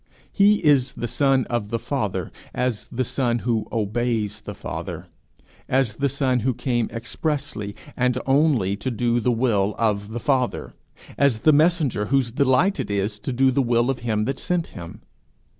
He is the Son of the Father as the Son who obeys the Father, as the Son who came expressly and only to do the will of the Father, as the messenger whose delight it is to do the will of him that sent him.